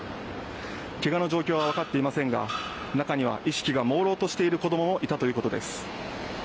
ケガの状況は分かっていませんが中には意識がもうろうとしている子供もいたということです。